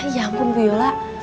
ya ampun bu yola